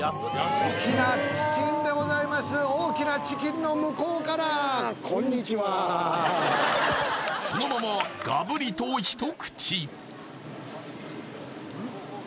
大きなチキンでございます大きなチキンの向こうからそのままガブリとひと口！